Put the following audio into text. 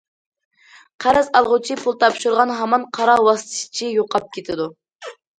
قەرز ئالغۇچى پۇل تاپشۇرغان ھامان« قارا ۋاسىتىچى» يوقاپ كېتىدۇ.